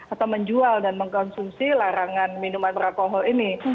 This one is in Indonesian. atau menjual dan mengkonsumsi larangan minuman beralkohol ini